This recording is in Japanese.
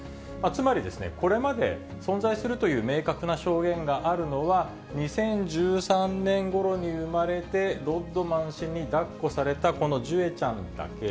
つまり、これまで存在するという明確な証言があるのは、２０１３年ごろに産まれて、ロッドマン氏にだっこされたこのジュエちゃんだけ。